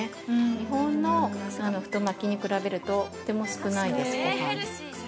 日本の太巻きに比べるととても少ないです、ごはん。